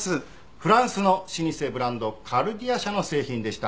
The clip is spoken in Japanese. フランスの老舗ブランドカルデア社の製品でした。